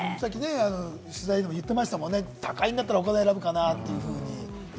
取材でも言ってましたもんね、高いんだったら他の選ぶかなっていうふうに。